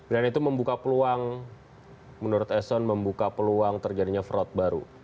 dan itu membuka peluang menurut eson membuka peluang terjadinya fraud baru